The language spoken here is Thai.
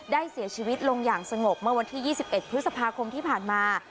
เสียชีวิตลงอย่างสงบเมื่อวันที่๒๑พฤษภาคมที่ผ่านมา